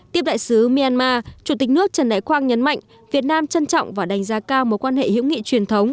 tiếp đại sứ myanmar chủ tịch nước trần đại quang nhấn mạnh việt nam trân trọng và đánh giá cao mối quan hệ hữu nghị truyền thống